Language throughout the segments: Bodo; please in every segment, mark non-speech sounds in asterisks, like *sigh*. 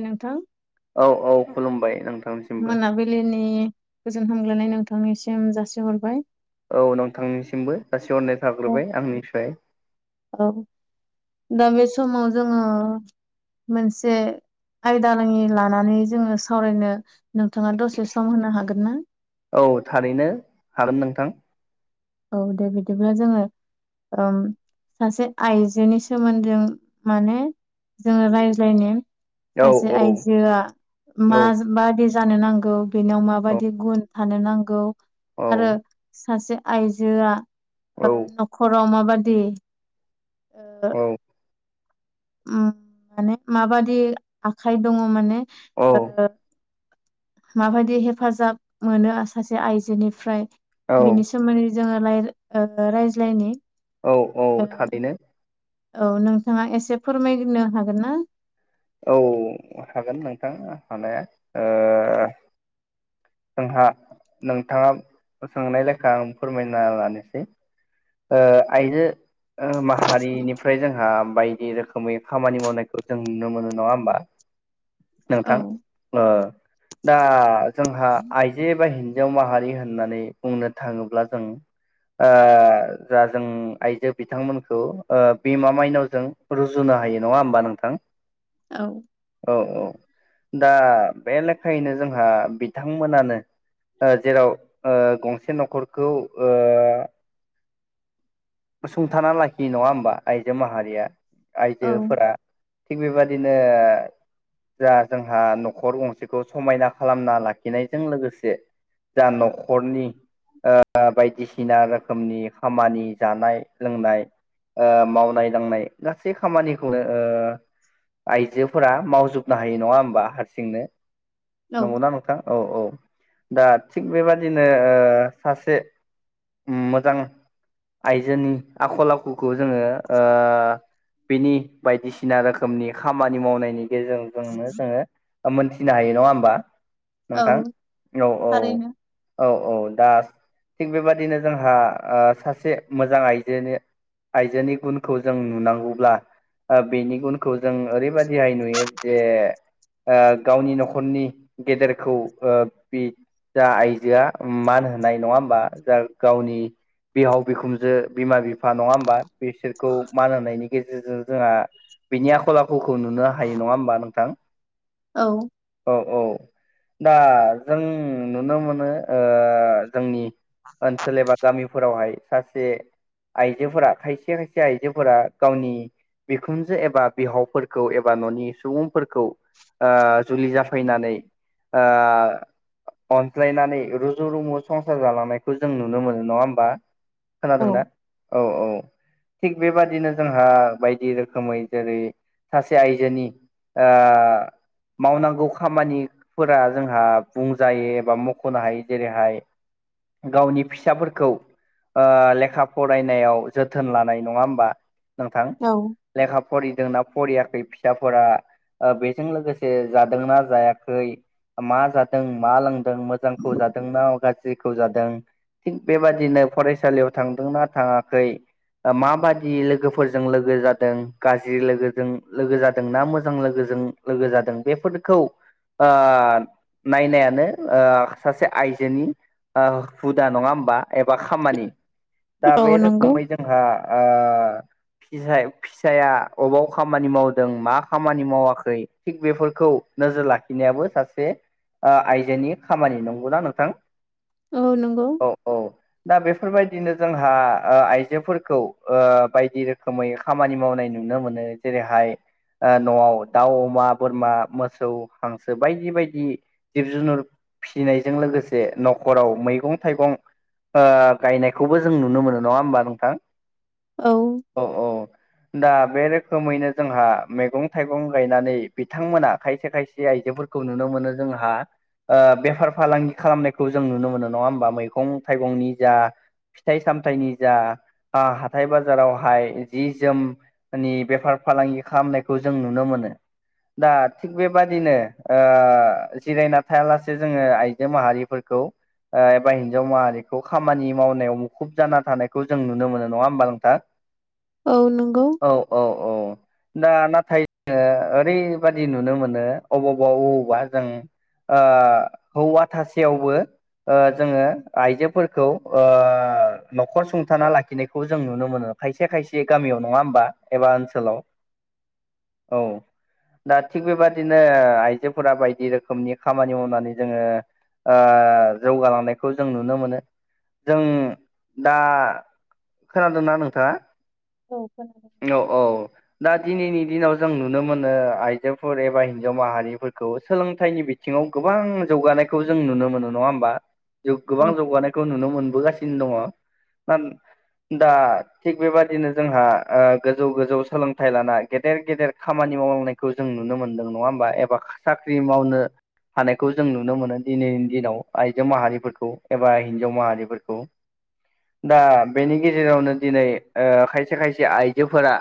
नोंथां औ औ खुलुमबाय नोंथां मोनाबिलिनि गोजोन हामग्लायनाय नोंथांनिसिम जासिहरबाय। औ नोंथांनिसिमबो गासिबो जासि हरननाय औ थाग्रोबाय आंनिफ्राय दा बे समाव जोंङो मोनसे आयदालाङि लानानै जोङो सावरायनो नोंथाङा दसे सम होनो हागोन ना? औ थारैनो हागोन नोंथां औ दे बिदिब्ला जोङो उम सासे आइजोनि सोमोन्दै माने जोङो रायज्लायनो औ सासे औ आइजोआ मा माज बायदि जानो नांगौ बेनियाव माबायदि गुन औ आरो सासे आइजोआ ओ औ न'खराव माबाय बादि औ माने माबादि आखाइ दङ माने माबायदि हेफाजाब मोनो सासे आइजोनिफ्राय औ बेनि सोमोन्दै जोङो राय ओ रायज्लायनि- औ औ ओ थारैनो औ नोंथाङा एसे फोरमायनो हागोन ना? औ हागोन नोंथां हानाया ओ जोंहा नोंथाङा सोंनाय लेखा आं फोरमायना लानोसै ओ आयनो माहारिनिफ्राय जोंहा बायदि रोखोमै खामानि मावनायखौ जों नुनो मोनो नङा होमबा। *inaudible* औ नोंथां ओ दा जोंहा आइजो बा हि हिनजाव माहारि होननानै बुंनो थाङोब्ला जों ओ जा जों आइजो बिथांमोनखौ ओ बिमा माइनावजों रुजुनो हायो नङा होनबा नोंथां। औ औ औ दा बे लेखायैनो जोंहा बिथांमोनानो जेराव ओ गंसे न'खरखौ ओ सुंथाना लाखि नङा होमबा आइजो माहारिया औ आइजोफोरा थिग बेबादिनो जा जोंहा न'खर गंसेखौ समायना खालामना लाखिनायजों लोगोसे जा न'खरनि ओ बायदिसिना रोखोमनि खामानि जानाय लोंनाय ओ मावनाय दांनाय गासै खामानिखौनो ओ आइजोफोरा मावजोबनो हायो नङा होमबा हारसिंनो नंगौना नोंथां औ औ दा थिग बेबादिनो ओ सासे मोजां आइजोनि आखल आखुखौ जोङो ओ बेनि बायदिसिना रोखोमनि खामानि मावनायनि गेजेरजोंजोंनो जोङो मोनसे फिनो हायो नङा होमबा औ नोंथां औ औ थारैनो औ औ दा थिग बेबादिनो जोंहा ओ सासे मोजां आइजोनि आइजोनि गुनखौ जों नुनांगौब्ला ओ बेनि गुनखौ जों ओरैबायाददिहाय नुयो जे ओ गावनि न'खरनि गेदेरखौ ओ बि जा आइजोआ मान होनाय नङा होमबा जा गावनि बिहाव बिखुनजो बिमा बिफा नङा होमबा बिसोरखौ मान होनायनि गेजेरजों जोंहा बिनि आखल आखुखौ नुनो हायो नङा होमबा नोंथां? औ औ औ दा जों नुनो मोनो ओ जोंनि ओनसोल एबा गामिफोरावहाय सासे आइजोफोरा खायसे खायसे आइजोफोरा गावनि बिखुनजो एबा बिहावफोरखौ एबा न'नि सुबुंफोरखौ ओ जुलि जाफैनानै ओ अनज्लायनानै रुजु रुमु संसार जालांनायखौ जों नुनो मोनो नङा होमबा। औ खोनादोंना औ औ। थिग बेबादिनो जोंहा बायदि रोखोमै जेरै सासे आयजोनि ओ मावनांगौ खामानिफोरा जोंहा बुंजायो एबा मख'नो हायो जेरैहाय गावनि फिसाफोरखौ ओ लेखा फरायनायाव जोथोन लानाय नङा होमबा। नोंथां औ लेखा फरिदों ना फरियाखै फिसाफोरा ओ बेजों लोगोसे जादोंना जायाखै मा जादों मा लोंदों मोजांखौ जादों ना गाज्रिखौ जादों। थिग बेबादिनो फरायसालियाव थांदोंना थाङाखै माबादि लोगोफोरजों लोगो जादों गाज्रि लोगोजों लोगो जादों ना मोजां लोगो जों लोगो जादों बेफोरखौ ओ नायनायानो ओ सासे आइजोनि ओ हुदा नङा होमबा बा खामानि दा औ बे नंगौ रोखोमै जोंहा ओ फिजाय फिसाया अबाव खामानि मावदों मा खामानि मावाखै थिग बेफोरखौ नोजोर लाखिनायाबो सासे ओ आइजोनि खामानि नंगौना नोंथां औ नंगौ औ औ दा बेफोरबायदिनो जोंहा ओ आइजोफोरखौ ओ बायदि रोखोमै खामानि मावनाय नुनो मोनो जेरैहाय ओ न'आव दाउ अमा बोरमा मोसौ हांसो बायदि बायदि जिब जुनुर फिसिनायजों लोगोसे न'खराव मैगं-थायगं ओ गायनायखौबो जों नुनो मोनो नङा होमबा नोंथां। औ औ औ दा बे रो खोमैनो जोंहा मैगं थाइगं गायनानै बिथांमोना खायसे खायसे आइजोफोरखौ नुनो मोनो जो जोंहा ओ बेफार फालांगि खालामनायखौ जों नुनो मोनो नङा होमबा। मैगं थाइगंनि जा फिथाइ सामथाइनि जा आ हाथाय बाजारावहाय जि जोमनि बेफार फालांगि खालामनायखौ जों नुनो मोनो। दा थिग बेबादिनो ओ जिरायना थायालासे जोङो आइजो माहारिफोरखौ। ओ एबा हिन्जाव माहारि खौ खामानि मावनायाव मुखुब जाना थानायखौ जों नुनो मोनो नङा होमबा नोंथां। औ नंगौ औ औ औ दा नाथाय जोङो ओरैबादि नुनो मोनो अबावबा अबावबा जों ओ हौवा थासेयावबो ओ जोङो आइजो फोरखौ ओ न'खर सुंथाना लाखिनायखौ जों नुनो मोनो। खायसे खायसे गामियाव नङा होम बा एबा ओनसोलाव। *inaudible* औ दा थिग बेबादिनो ओ आइजोफोरा बायदि रोखोमनि खामानि मावनानै जोङो ओ जौगालांनायखौ जों नुनो मोनो। जों दा खोनादोंना नोंथाङा? औ खोनादों औ नोंथां औ दा दिनैनि दिनाव जों नुनो मोनो आइजोफोर एबा हिनजाव माहारिफोरखौ सोलोंथाइनि बिथिङाव गोबां जौगा नायखौ जों नुनो मोनो नङा होमबा? जौ गोबां औ जौगानायखौ नुनो मोनबोगासिनो दङ। ओन दा थिग बेबायदिनो जोंहा ओ गोजौ‌ गोजौ सोलोंथाइ लाना गेदेर गेदेर खामानि नि मावलांनायखौ जों नुनो मोनदों नङा होमबा। एबा साख्रि मावनो हानायखौ जों नुनो मोनो दिनैनि दिनाव आइजो माहारिफोरखौ एबा हिनजाव माहारिफोरखौ। दा बेनि गेजेरावनो दिनै ओ खायसे खायसे आइजोफोरा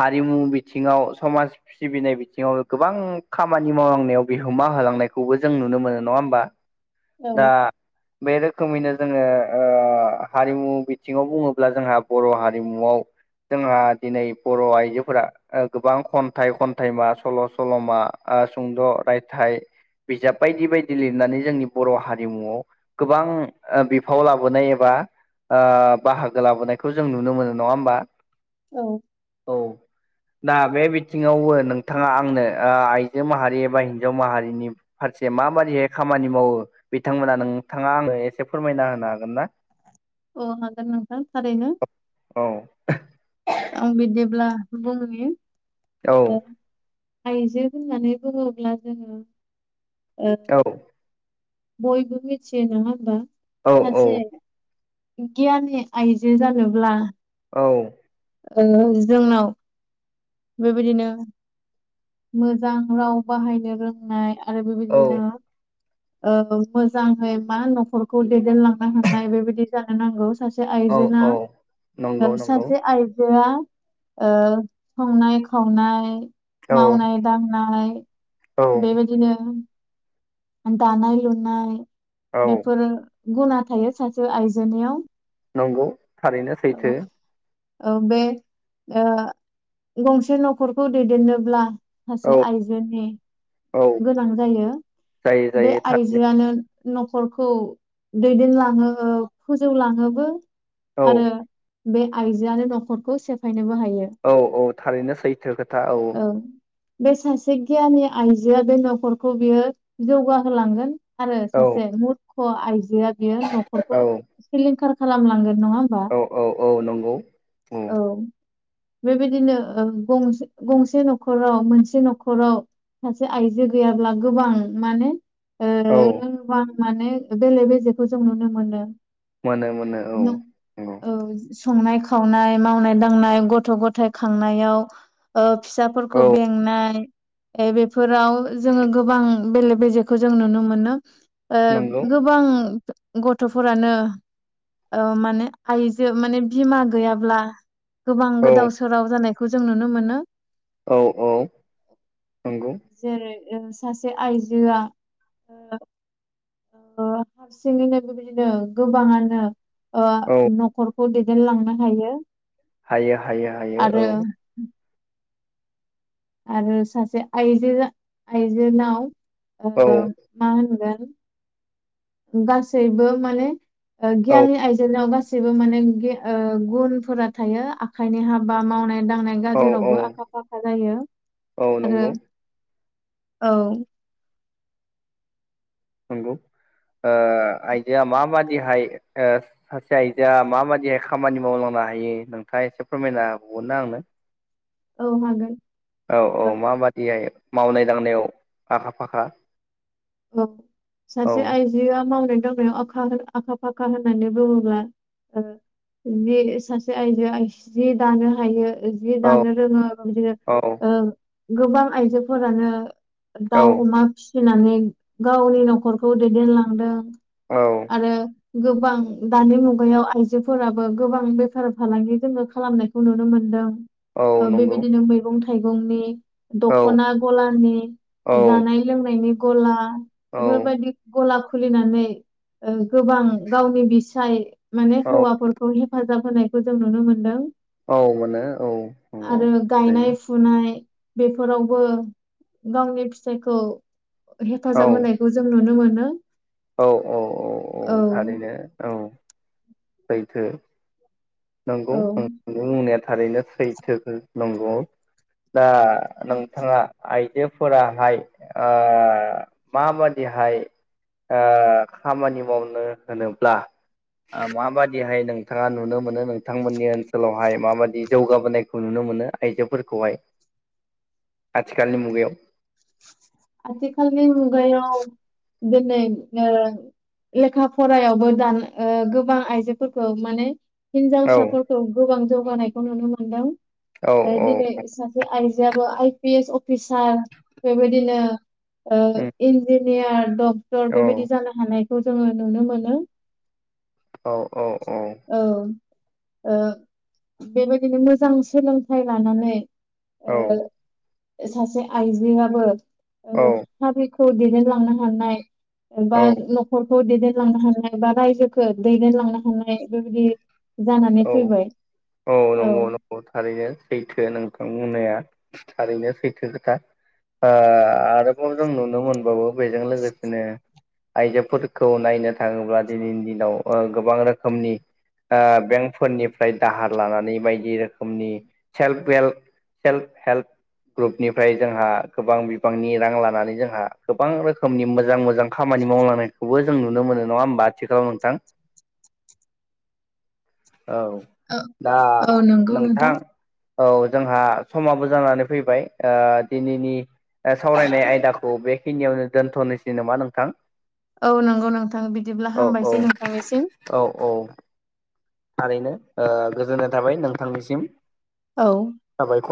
हारिमु बिथिङाव समाज सिबिनाय बिथिङावबो गोबां खामानि मावलांनायाव बिहोमा हो होलांनायबो जों नुनो मोनो नङा होनबा। दा औ बे रो‌ खोमैनो जोङो ओ हारिमु बिथिङाव बुङोब्ला जोंहा बर' हारिमुआव जोंहा दिनै बर' आइजोफोरा ओ गोबां खन्थाइ, खन्थाइ मा सल', सल'मा आ सुंद' रायथाइ बिजाब बायदि बायदि लिरनानै जोंनि बर' हारिमुआव गोबां ओ बिफाव लाबोनाय एबा ओ बाहागो लाबोनायखौ जों नुनो मोनो नङा होमबा? औ औ दा बे बिथिङावबो नोंथाङा आंनो ओ आइजो माहारि एबा हिन्जाव माहारिनि फारसे माबादैयै खामानि मावो बिथांमोना नोंथाङा आंनो एसे फोरमायना होनो हागोन ना? अ' हागोन नोंथां थारैनो। औ आं बिदिब्ला बुंनि। औ ओ आइजो होननानै बुङोब्ला जोङो। ओ औ बयबो मिथियो नङा होमबा? औ औ सासे गियाननि आइजो जानोब्ला औ ओ जोंनाव बेबायदिनो मोजां राव बाहायनो रोंनाय आरो औ बेबायदिनो ओ मोजाङै मा न'खरखौ दैदेनलांनो हनाय बेबायदि जानो नांगौ। सासे औ आइजोना, औ नंगौ नंगौ सासे आइजोआ ओ संनाय -खावनाय, औ मावनाय -दांनाय औ बेबायदिनो दानाय लुनाय औ बेफोरो गुना थायो सासे आइजोनियाव। नंगौ थारैनो औ सैथो। औ बे ओ गंसे न'खरखौ दैदेननोब्ला सासे औ आइजोनि औ गोनां जायो। जायो बे जायो थारैनो आइजोआनो न'खरखौ दैदेनलाङो, फोजौलाङोबो। औ आरो बे आइजोआनो न'खरखौ सेफाय औ -औ, थारैनो सैथो खोथा औ। बे सासे गियानि आइजोआ बे न'खरखौ बियो जौगाहोलांगोन। आरो औ सासे मुरख' आइजोआ, बियो न'खरखौ औ सिलिंखार खालामलांगोन। नङा होमबा? औ औ औ नंगौ औ। बेबायदिनो गं -गंसे न'खराव मोनसे न'खराव सासे आइजो गैयाब्ला गोबां माने ओ औ लोरबां माने बेले- बेजेखौ जों नुनो मोनो। मोनो- मोनो औ नंगौ। औ संनाय- खावनाय, मावनाय- दांनाय, गथ' गथाय खांनायाव ओ औ फिसाफोरखौ बेंनाय बेफोराव जोङो गोबां बेले -बेजेखौ जों नुनो। ओ नंगौ गोबां गथ'फोरानो, ओ माने आइजो माने बिमा गैयाब्ला गोबां औ गोदाव- सोराव जानायखौ जों नुनो मोनो। औ -औ, नंगौ। जेरै सासे आइजोआ ओ ओ हारसिङैनो बेबायदिनो गोबाङानो ओ औ न'खरखौ दैदेनलांनो हायो। हायो- हायो -हायो औ। आरो आरो सासे आइजो- आइजोनाव ओ, औ मा होनगोन गासैबो माने औ गियाननि आयजोनाव गासै गासैबो माने गे- ओ, गुनफोरा थायो आखाइनि हाबा मावनाय दांनाय औ औ गाजेरावबो आखा- फाखा जायो। औ आरो नंगौ। औ। नंगौ। ओ, आइजोआ माबादिहाय ओ, सासे आइजोआ माबादिहाय खामानि मावलां *unintelligible* नोंथाङा एसे फोरमायना हावगोन ना आंनो? औ हागोन। औ -औ ओ माबादिहाय मावनाय दांनायाव आखा-फाखा औ, सासे आइजोआ मावनाय दांनायाव आखा- आखा-फाखा होननानै बुङोब्ला ओ जि सासे आइजोआ सि दानो हायो। जि औ दानो रोङो औ ओ, गोबां आइजोफोरानो औ दाउ अमा फिसिनानै गावनि न'खरखौ दैदेनलांदों। औ आरो गोबां दानि मुगायाव आइजोफोराबो गोबां बेफार- फालांगि जोङो खालामनायखौ नुनो मोनदों। औ ओ, नंगौ बेबायदिनो मैगं- थाइगंनि औ दख'ना गलानि, जानाय -लोंनायनि गला। औ बेफोरबायदि गला खुलिनानै गोबां गावनि बिसाय माने औ हौवाफोरखौ हेफाजाब होनायखौ जों नुनो मोनदों। औ मोनो औ आरो गायनाय -फुनाय बेफोरावबो गावनि फिथाइखौ औ हेफाजाब होनायखौ जों नुनो मोनो। नो औ औ औ औ थारैनो औ सैथो। नंगौ औ नों बुंनाया थारैनो सैथो नंगौ। दा नोंथाङा आय जोफोराहाय आ, माबादिहाय आ, खामानि मावनो होनोब्ला माबादिहाय नोंथाङा नुनो मोनो नोंथांमोननि ओनसोलावहाय माबादि जौगाबोनायखौ नुनो मोनो। मोनो आइजोफोरखौहाय? *inaudible* आथिखालनि मुगायाव आथिखालनि मुगायाव दिनै ओ लेखा फरायावबो दान ओ, गोबां आइजोफोरखौ माने औ हिनजावसाफोरखौ गोबां जौगानायखौ नुनो औ मोनदों औ दिनै सासे आइजो आइ फि एस अफिसार बेबायदिनो ओ उम इनदि इन्जिनियार डक्टर औ बेबायदि जानो हानायखौ जोङो नुनो मोनो। औ औ औ। ओ, बेबायदिनो मोजां सोलोंथाइ लानानै औ ओ, सासे आइजोआबो औ ओ दैदेनलांनो हानाय बा औ न'खर खौ दैदेनलांनो हानाय बा रायजोखौ दैदेनलांनो हानाय बेबायदि जानानै औ फैबाय औ नंगौ नंगौ थारैनो सैथो नोंथां बुंनाया। थारैनो सैथो खोथा आ, आरोबाव जों नुनो मोनबावो बैजों लोगोसेनो आइजोफोरखौ नायनो थाङोब्ला दिनैनि दिनाव ओ, गोबां रोखोमनि ओ बेंकफोरनिफ्राय दाहार लानानै बायदि रोखोमनि सेल्फ हेल्प सेल्फ हेल्प ग्रुपनिफ्राय जोंहा गोबां बिबांनि रां लानानै जोंहा गोबां रोखोमनि मोजां मोजां खामानि मावलांनायखौबो जों नुनो मोनो नङा होमबा आथिखालाव नोंथां? औ दा औ नंगौ नोंथां औ जोंहा समाबो जानानै फैबाय दिनैनि सावरायनाय आयदाखौ बेखिनियावनो दोनथ'नोसै नामा नोंथां। औ नंगौ नोंथां बिदिब्ला औ औ हामबायसै नोंथांनिसिम। औ औ थारैनो गोजोननाय थाबाय नोंथांनिसिम। औ साबायखर